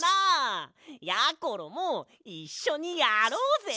やころもいっしょにやろうぜ！